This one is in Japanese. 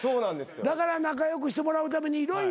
だから仲良くしてもらうために色々。